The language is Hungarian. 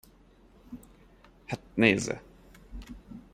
Hát nézze!